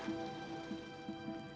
bisa bisa percaya bu